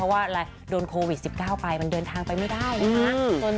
เพราะว่าโดนโควิด๑๙ไปมันเดินทางไปไม่ได้นะครับ